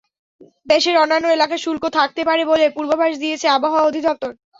দেশের অন্যান্য এলাকা শুষ্ক থাকতে পারে বলে পূর্বাভাস দিয়েছে আবহাওয়া অধিদপ্তর।